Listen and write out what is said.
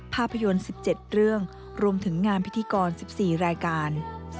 ภาพยนตร์๑๗เรื่องรวมถึงงานพิธีกร๑๔รายการ